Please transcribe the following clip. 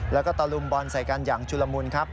แล้วก็ตะลุมบอลใส่กันอย่างชุลมุนครับ